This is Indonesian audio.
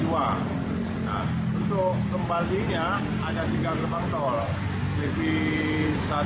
untuk kembalinya ada tiga gerbang tol